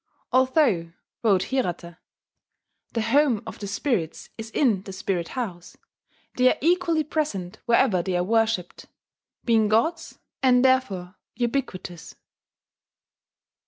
"Although," wrote Hirata, "the home of the spirits is in the Spirit house, they are equally present wherever they are worshipped, being gods, and therefore ubiquitous."